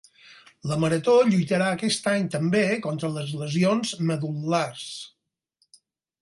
La Marató lluitarà aquest any també contra les lesions medul·lars